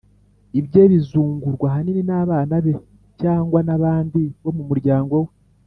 ibye bizungurwa ahanini n’abana be cyangwa n’abandi bo mu muryango we.